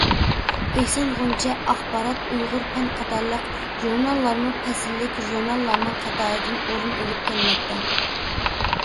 ئېھسان، غۇنچە، ئاخبارات، ئۇيغۇر پەن قاتارلىق ژۇرناللارمۇ پەسىللىك ژۇرناللارنىڭ قاتارىدىن ئورۇن ئېلىپ كەلمەكتە.